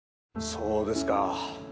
そうですか。